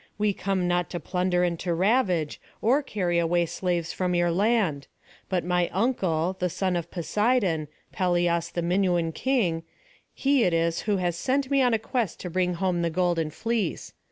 We come not to plunder and to ravage, or carry away slaves from your land; but my uncle, the son of Poseidon, Pelias the Minuan king, he it is who has set me on a quest to bring home the golden fleece.